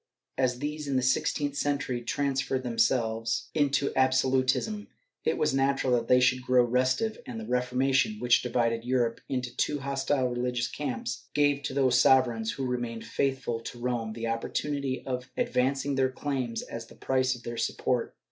As these, in the sixteenth century, transformed themselves into absolutism, it was natural that they should grow restive, and the Reformation, which divided Europe into two hostile religious camps, gave to those sovereigns who remained faithful to Rome the opportunity of advancing their claims as the price of their support.